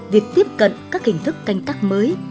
việc tiếp cận các hình thức canh tắc mới